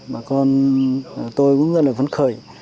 bà con tôi cũng rất là phấn khởi